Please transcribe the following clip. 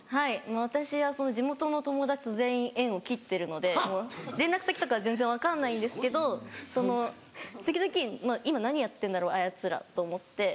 私は地元の友達と全員縁を切ってるので連絡先とかは全然分かんないんですけど時々今何やってんだろうあやつらと思って。